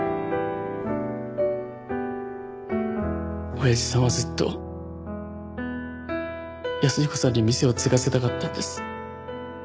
おやじさんはずっと安彦さんに店を継がせたかったんです。